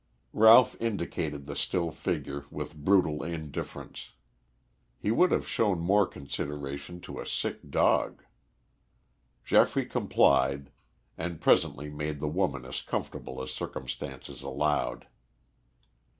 Ralph indicated the still figure with brutal indifference. He would have shown more consideration to a sick dog. Geoffrey complied, and presently made the woman as comfortable as circumstances allowed.